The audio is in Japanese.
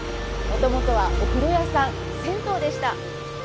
もともとはお風呂屋さん銭湯でした。